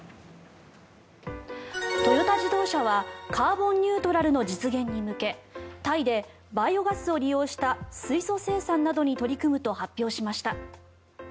トヨタ自動車はカーボンニュートラルの実現に向けタイでバイオガスを利用した水素生産などに取り組むと発表しました。